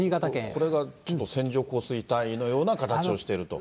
これがちょっと線状降水帯のような形をしてると。